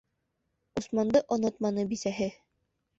Усманды онотманы бисәһе.